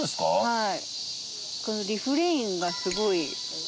はい。